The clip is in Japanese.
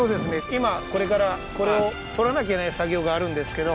今これからこれを取らなきゃいけない作業があるんですけど。